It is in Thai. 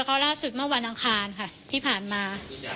เขาล่าสุดเมื่อวันอังคารค่ะที่ผ่านมา